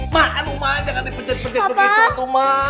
makan umang gak ada yang pencet pencet begitu